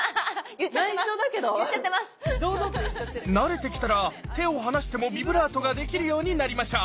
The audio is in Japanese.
慣れてきたら手を離してもビブラートができるようになりましょう！